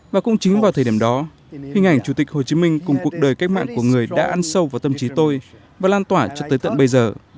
và cũng chính vào thời điểm đó hình ảnh chủ tịch hồ chí minh cùng cuộc đời cách mạng của người đã ăn sâu vào tâm trí tôi và lan tỏa cho tới tận bây giờ